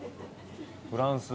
フランス。